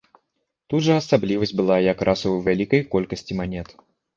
Тут жа асаблівасць была якраз у вялікай колькасці манет.